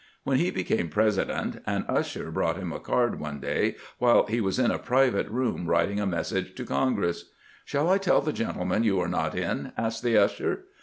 When he became President, an usher brought him a card one day while, he was in a private room writing a mes sage to Congress. " ShaU I teU the gentleman you are not in?" asked the usher.